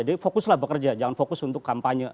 jadi fokuslah bekerja jangan fokus untuk kampanye